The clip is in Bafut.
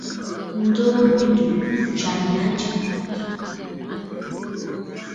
Ǹjoo mbi jù ɨ tsyà nii aa tsyà.